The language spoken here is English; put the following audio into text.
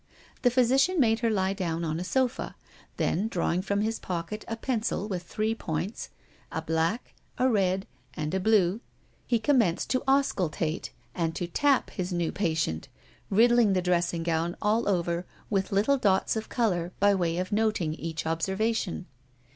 The physician made her lie down on a sofa, then, drawing from his pocket a pencil with three points, a black, a red, and a blue, he commenced to auscultate and to tap his new patient, riddling the dressing gown all over with little dots of color by way of noting each observation.